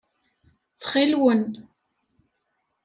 Ttxil-wen.